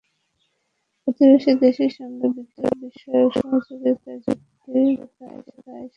প্রতিবেশী দেশের সঙ্গে বিদ্যুৎবিষয়ক সহযোগিতার চুক্তিগুলোকেও তাই সাধারণভাবে সবাই মেনে নিয়েছেন।